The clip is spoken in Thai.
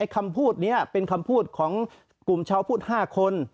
คำพูดนี้เป็นคำพูดของกลุ่มชาวพูด๕คน